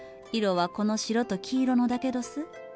色はこの白と黄色のだけどす。